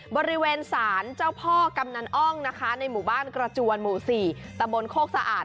บริเวณสารเจ้าพ่อกำนันอ้องนะคะในหมู่บ้านกระจวนหมู่๔ตะบนโคกสะอาด